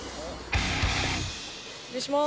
失礼します。